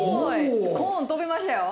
コーン飛びましたよ。